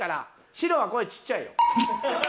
白は声ちっちゃいよ。